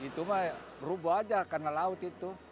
itu mah rubuh aja karena laut itu